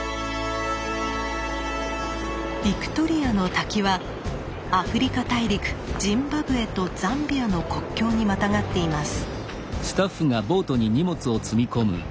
ビクトリアの滝はアフリカ大陸ジンバブエとザンビアの国境にまたがっています。